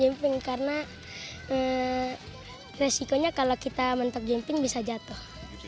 jumping karena resikonya kalau kita mentok jumping bisa jatuh